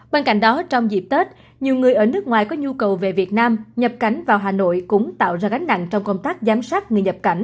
bên cạnh đó trong dịp tết nhiều người ở nước ngoài có nhu cầu về việt nam nhập cảnh vào hà nội cũng tạo ra gánh nặng